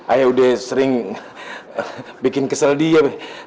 aja udah sering bikin kesel dia